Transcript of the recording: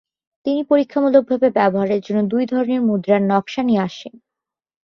তিনি পরীক্ষামূলকভাবে ব্যবহারের জন্য দুই ধরনের মুদ্রার নক্সা নিয়ে আসেন।